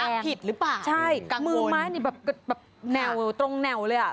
เข้าเว้นระยะผิดหรือเปล่ากังวลใช่มือม้านี่แบบแนวตรงแนวเลย